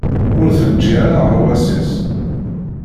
Ur teǧǧi ara aɣawas-is.